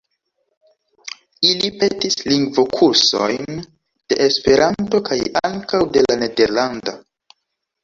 Ili petis lingvokursojn de Esperanto kaj ankaŭ de la nederlanda.